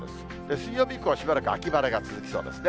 水曜日以降はしばらく秋晴れが続きそうですね。